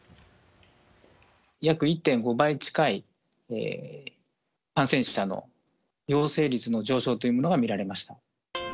約１．５倍近い感染者の陽性率の上昇というものが見られました。